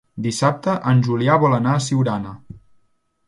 Dissabte en Julià vol anar a Siurana.